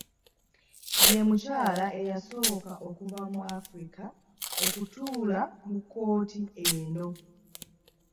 Ye mukyala eyasooka okuva mu Africa okutuula mu kkooti eno.